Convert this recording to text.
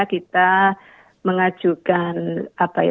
kita mengajukan apa ya